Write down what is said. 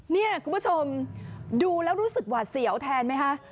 นี่คุณผู้ชมดูแล้วรู้สึกหวาดเสียวแทนไหมคะ